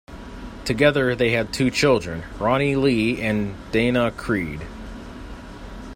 Together they had two children: Roni Lee and Dana Creed.